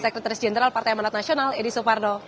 sekretaris jenderal partai manat nasional edi soepardo